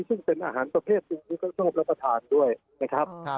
ซึ่งเป็นอาหารประเภทหนึ่งที่เขาชอบรับประทานด้วยนะครับ